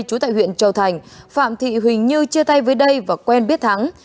chú tại huyện châu thành phạm thị huỳnh như chia tay với đây và quen biết thắng